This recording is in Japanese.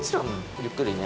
ゆっくりね。